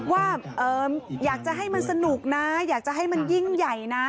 ว่าอยากจะให้มันสนุกนะอยากจะให้มันยิ่งใหญ่นะ